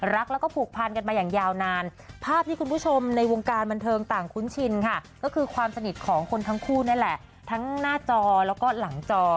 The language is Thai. รักแล้วก็ผูกพันกันมาอย่างยาวนานภาพที่คุณผู้ชมในวงการบันเทิงต่างคุ้นชินค่ะก็คือความสนิทของคนทั้งคู่นั่นแหละทั้งหน้าจอแล้วก็หลังจอ